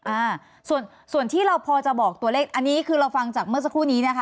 อ่าส่วนส่วนที่เราพอจะบอกตัวเลขอันนี้คือเราฟังจากเมื่อสักครู่นี้นะคะ